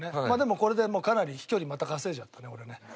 まあでもこれでかなり飛距離また稼いじゃったね俺ね。